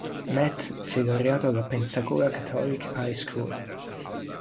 Matt si è laureato alla Pensacola Catholic High School.